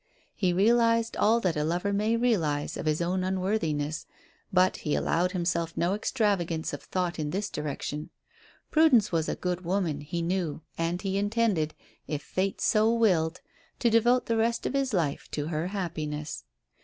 He realized all that a lover may realize of his own unworthiness, but he allowed himself no extravagances of thought in this direction. Prudence was a good woman, he knew, and he intended, if Fate so willed, to devote the rest of his life to her happiness.